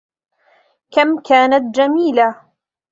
كم كانت جميلة.